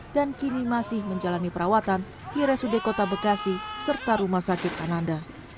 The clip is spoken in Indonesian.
dan kini masih menjalani perawatan di resude kota bekasi serta rumah sakit ananda